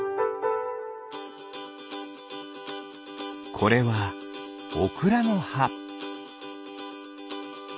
これはオクラのは。